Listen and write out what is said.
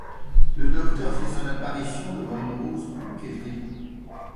Le Docteur fait son apparition devant une Rose plus qu'effrayée.